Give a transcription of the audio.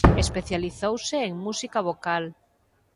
Especializouse en música vocal.